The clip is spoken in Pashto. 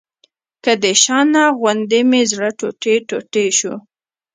که د شانه غوندې مې زړه ټوټې ټوټې شو.